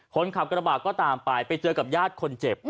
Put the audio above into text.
คนขับกระบาดก็ตามไปไปเจอกับญาติคนเจ็บ